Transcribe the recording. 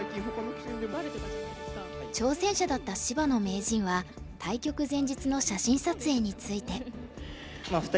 挑戦者だった芝野名人は対局前日の写真撮影について。